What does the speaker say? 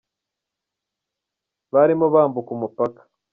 Barimo bambuka umupaka.